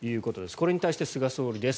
これに対して菅総理です。